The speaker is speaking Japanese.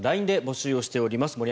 ＬＩＮＥで募集をしております。